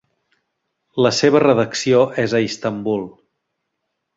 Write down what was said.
La seva redacció és a Istanbul.